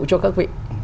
cho các vị